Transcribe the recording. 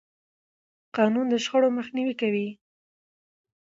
قانون د شخړو مخنیوی کوي.